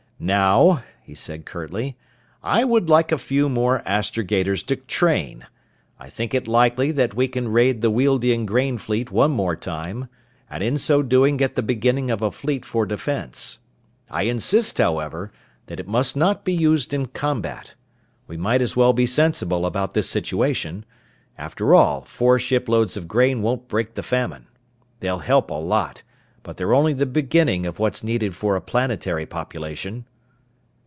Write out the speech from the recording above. "Now," he said curtly, "I would like a few more astrogators to train. I think it likely that we can raid the Wealdian grain fleet one more time, and in so doing get the beginning of a fleet for defense. I insist, however, that it must not be used in combat. We might as well be sensible about this situation! After all, four shiploads of grain won't break the famine! They'll help a lot, but they're only the beginning of what's needed for a planetary population!"